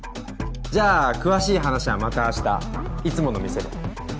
じゃあ詳しい話はまた明日いつもの店で。